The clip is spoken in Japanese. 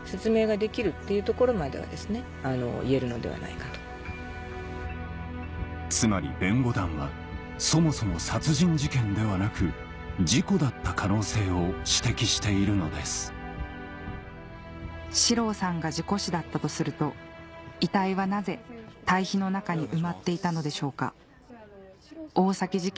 しかし原口さんのつまり弁護団はそもそも四郎さんが事故死だったとすると遺体はなぜ堆肥の中に埋まっていたのでしょうか大崎事件